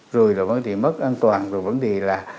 rồi là vấn đề mất an toàn rồi vấn đề là